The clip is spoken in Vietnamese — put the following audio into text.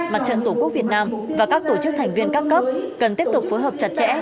mặt trận tổ quốc việt nam và các tổ chức thành viên các cấp cần tiếp tục phối hợp chặt chẽ